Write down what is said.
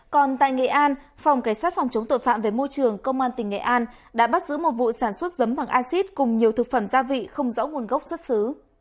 còn tại nghệ an phòng cảnh sát phòng chống tội phạm về môi trường công an tỉnh nghệ an đã bắt giữ một vụ sản xuất dấm bằng acid cùng nhiều thực phẩm gia vị không rõ nguồn gốc xuất xứ